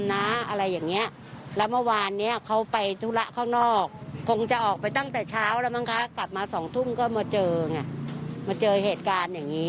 หน่อยหน่อยดูแลเพื่อนติดเตียงมันจะสองคนด้วยเนาะ